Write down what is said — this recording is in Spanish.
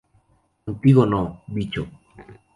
Contigo no, bicho